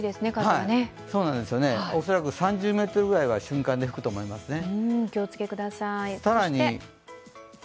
恐らく３０メートルぐらいは瞬間的に吹くと思いますね。